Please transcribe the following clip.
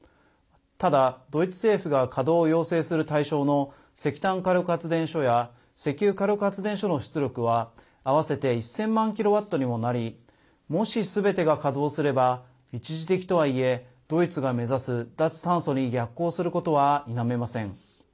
ただ、ドイツ政府が稼働を要請する対象の石炭火力発電所や石油火力発電所の出力は合わせて１０００万キロワットにもなりもし、すべてが稼働すれば一時的とはいえドイツが目指す脱炭素に逆行することは否めません。